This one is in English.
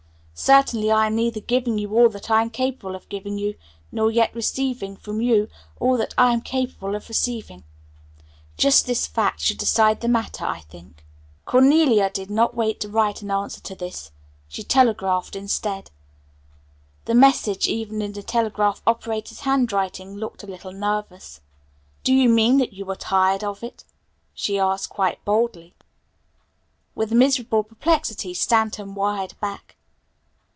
Certainly I am neither giving you all that I am capable of giving you, nor yet receiving from you all that I am capable of receiving. Just this fact should decide the matter I think. "CARL." Cornelia did not wait to write an answer to this. She telegraphed instead. The message even in the telegraph operator's handwriting looked a little nervous. "Do you mean that you are tired of it?" she asked quite boldly. With miserable perplexity Stanton wired back.